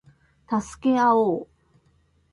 助け合おう